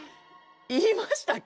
言いましたっけ？